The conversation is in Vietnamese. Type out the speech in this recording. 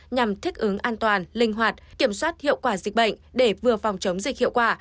nhằm thích ứng an toàn linh hoạt kiểm soát hiệu quả dịch bệnh để vừa phòng chống dịch hiệu quả